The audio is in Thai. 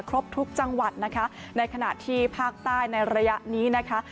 ครบทุกจังหวัดนะคะในขณะที่ภาคใต้ในระยะนี้นะคะ